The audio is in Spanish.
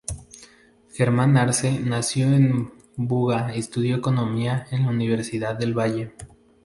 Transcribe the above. Germán Arce nació en Buga estudió economía en la Universidad del Valle.